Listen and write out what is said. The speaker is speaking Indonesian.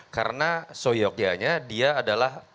karena soyoknya dia adalah